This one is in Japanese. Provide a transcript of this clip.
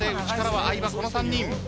この３人。